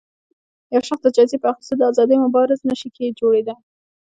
يو شخص د جايزې په اخیستو د ازادۍ مبارز نه شي جوړېدای